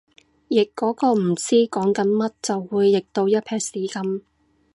譯嗰個唔知講緊乜就會譯到一坺屎噉